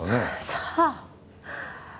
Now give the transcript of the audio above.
さあ。